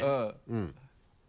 うん。